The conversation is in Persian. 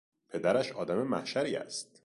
پدرش آدم محشری است.